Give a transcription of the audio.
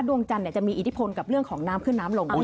ดวงจันทร์จะมีอิทธิพลกับเรื่องของน้ำขึ้นน้ำลงด้วย